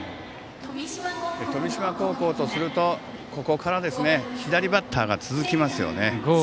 富島高校とするとここから左バッターが続きますよね。